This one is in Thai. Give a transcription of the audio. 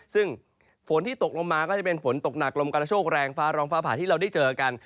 ซึ่งฝนที่ตกลงมาก็จะเป็นฝนตกหนักลมกระโชคแรงฟ้าร้องฟ้าผ่าที่เราได้เจอกัน